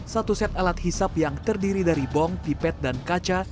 satu set alat hisap yang terdiri dari bong pipet dan kaca